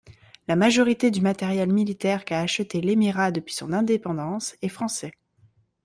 La majorité du matériel militaire qu'a acheté l'émirat depuis son indépendance est français.